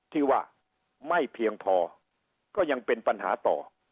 ที่ว่าไม่เพียงพอก็ยังเป็นปัญหาต่อ